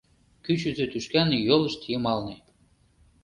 Кӱчызӧ тӱшкан йолышт йымалне